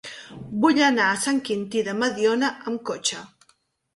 Vull anar a Sant Quintí de Mediona amb cotxe.